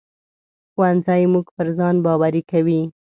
ښوونځی موږ پر ځان باوري کوي